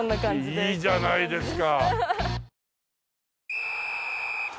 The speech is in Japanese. いいじゃないですか！